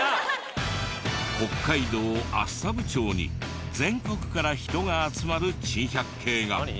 北海道厚沢部町に全国から人が集まる珍百景が。